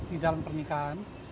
di dalam pernikahan